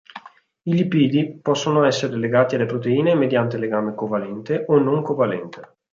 I lipidi possono essere legati alle proteine mediante legame covalente o non covalente.